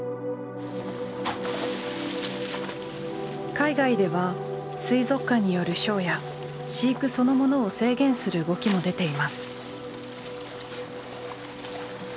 海外では水族館によるショーや飼育そのものを制限する動きも出ています。